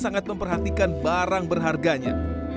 sangat memperhatikan barang berharganya